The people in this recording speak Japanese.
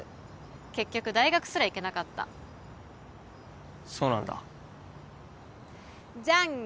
結局大学すら行けなかったそうなんだじゃん